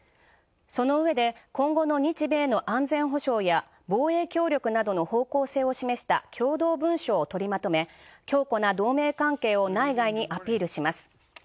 そのうえで今後の日米の安全保障や防衛協力などの方向性を示した共同文書をとりまとめ強固な同盟関係を内外にアピールします。